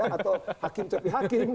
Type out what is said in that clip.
atau hakim cepi hakim